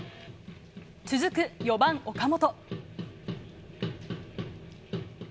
続く４番、岡本。